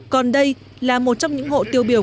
còn đây là một trong những hộ tiêu biểu